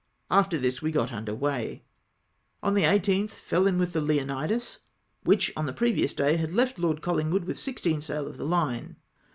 After this we got under weigh. On the 18th fell in with the Leonidas, which on the previous day had left Lord CoUingwood with 16 sail of the fine.